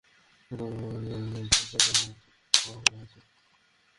একদিন তোমারে নিয়ে চলে যাবো আমাদের বাড়িতে।